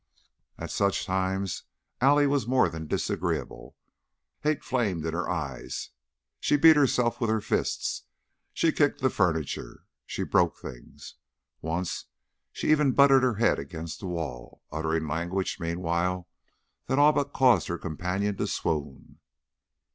At such times Allie was more than disagreeable. Hate flamed in her eyes, she beat herself with her fists, she kicked the furniture, and she broke things. Once she even butted her head against the wall, uttering language meanwhile that all but caused her companion to swoon.